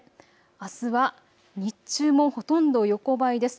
あすは日中もほとんど横ばいです。